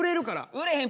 売れへん。